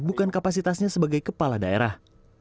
bukan kapasitasnya sebagai kepala daerah